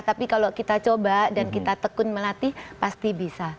tapi kalau kita coba dan kita tekun melatih pasti bisa